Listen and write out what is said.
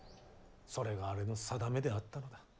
それがあれの宿命であったのだ。